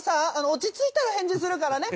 落ち着いたら返事するね。